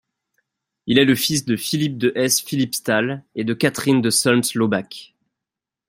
Il est le fils de Philippe de Hesse-Philippsthal et de Catherine de Solms-Laubach.